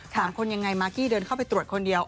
คนยังไงมากกี้เดินเข้าไปตรวจคนเดียว